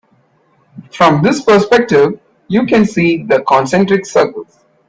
From this perspective you can see the concentric circles.